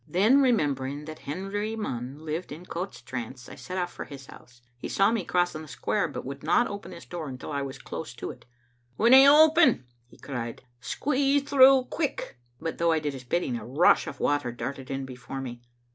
Then, remembering that Henry Munn lived in Coutt's trance, I set off for his house. He saw me crossing the square, but would not open his door until I was close to it. ••When I open," he cried, "squeeze through quick"; but though I did his bidding, a rush of water darted in before me.